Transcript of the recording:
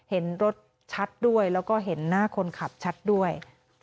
เห็นรถชัดด้วยแล้วก็เห็นหน้าคนขับชัดด้วย